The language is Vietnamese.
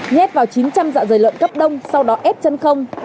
nhét vào chín trăm linh dạ dày lợn cấp đông sau đó ép chân không